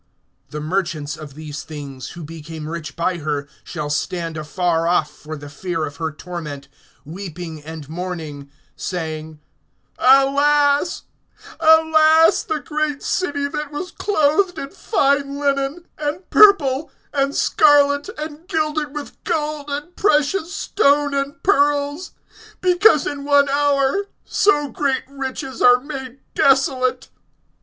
(15)The merchants of these things, who became rich by her, shall stand afar off for the fear of her torment, weeping and mourning, (16)saying: Alas, alas, the great city, that was clothed in fine linen, and purple, and scarlet, and gilded with gold, and precious stone, and pearls; (17)because in one hour so great riches are made desolate.